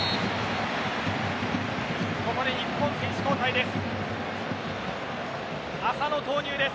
ここで日本、選手交代です。